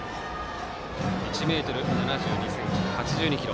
１ｍ７２ｃｍ、８２ｋｇ。